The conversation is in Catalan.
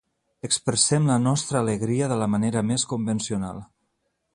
Expressem la nostra alegria de la manera més convencional.